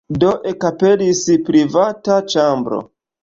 Do, ekaperis privata ĉambro.